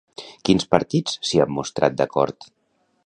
Quins partits s'hi han mostrat d'acord?